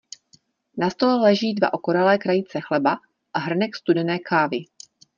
Na stole leží dva okoralé krajíce chleba a hrnek studené kávy.